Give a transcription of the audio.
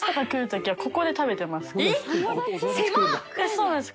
そうなんです。